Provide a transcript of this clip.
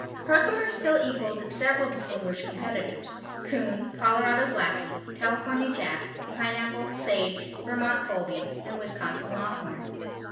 Herkimer still equals its several distinguished competitors, Coon, Colorado Blackie, California Jack, Pineapple, Sage, Vermont Colby and Wisconsin Longhorn.